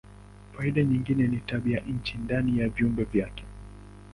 Faida nyingine ni tabianchi ndani ya vyumba vyake.